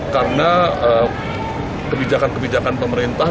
karena kebijakan kebijakan pemerintah